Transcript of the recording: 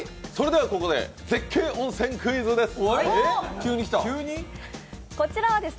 ここで絶景温泉クイズです。